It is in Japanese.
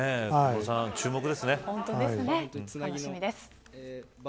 小室さん、注目ですね。